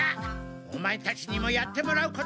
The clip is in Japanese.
オマエたちにもやってもらうことがある。